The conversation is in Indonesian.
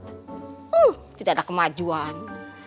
huh tidak ada kemajuan